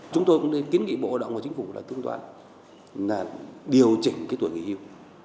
chúng tôi cũng kiến nghị bộ hội động và chính phủ là tương toán là điều chỉnh cái tuổi nghỉ hưu